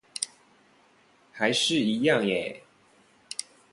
還是一樣欸